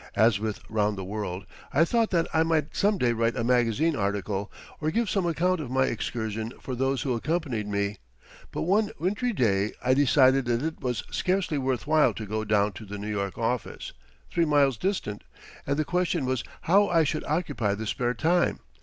As with "Round the World," I thought that I might some day write a magazine article, or give some account of my excursion for those who accompanied me; but one wintry day I decided that it was scarcely worth while to go down to the New York office, three miles distant, and the question was how I should occupy the spare time.